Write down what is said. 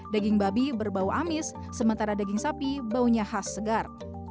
daging babi berbau amis sementara daging sapi baunya khas segar